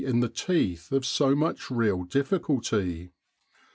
in Egypt the teeth of so much real difficulty.